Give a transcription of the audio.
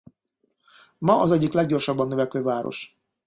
Ma az egyik leggyorsabban növekvő város.